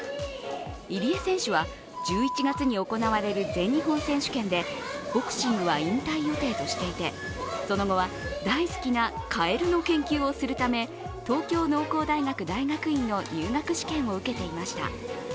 入江選手は１１月に行われる全日本選手権でボクシングは引退予定としていてその後は大好きなカエルの関係をするため東京農工大学大学院の入学試験を受けていました。